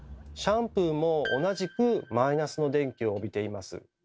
シャンプーも同じくマイナスの電気を帯びています。